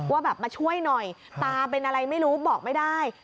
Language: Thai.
ว่าแบบมาช่วยหน่อยตาเป็นอะไรไม่รู้บอกไม่ได้